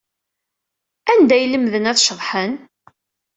Anda ay lemden ad ceḍḥen?